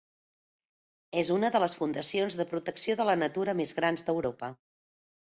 És una de les fundacions de protecció de la natura més grans d'Europa.